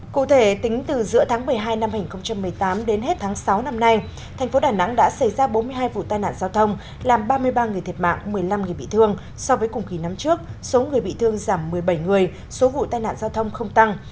cụ thể tính từ giữa tháng một mươi hai năm hai nghìn một mươi tám đến hết tháng sáu năm nay thành phố đà nẵng đã xảy ra bốn mươi hai vụ tai nạn giao thông làm ba mươi ba người thiệt mạng một mươi năm người bị thương so với cùng kỳ năm trước số người bị thương giảm một mươi bảy người số vụ tai nạn giao thông không tăng